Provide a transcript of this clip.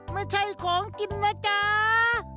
ไม่ใช่ของกินนะจ๊ะ